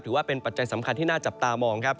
ถือว่าเป็นปัจจัยสำคัญที่น่าจับตามอง